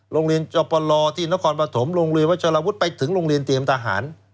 โรงเรียนจบลที่นครปฐมโรงเรียนวัชลวุฒิไปถึงโรงเรียนเตรียมทหาร